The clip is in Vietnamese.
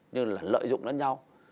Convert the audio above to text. như là lợi dụng lẫn nhau